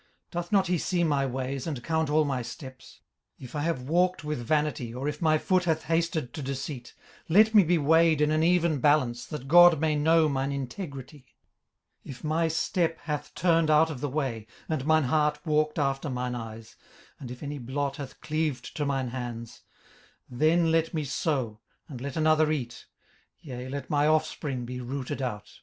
18:031:004 Doth not he see my ways, and count all my steps? 18:031:005 If I have walked with vanity, or if my foot hath hasted to deceit; 18:031:006 Let me be weighed in an even balance that God may know mine integrity. 18:031:007 If my step hath turned out of the way, and mine heart walked after mine eyes, and if any blot hath cleaved to mine hands; 18:031:008 Then let me sow, and let another eat; yea, let my offspring be rooted out.